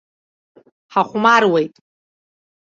Ҳахәмаруеит.